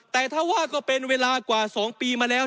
แต่ถ้าว่าก็เป็นเวลากว่า๒ปีมาแล้ว